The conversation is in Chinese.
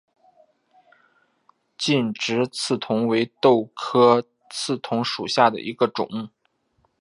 劲直刺桐为豆科刺桐属下的一个种。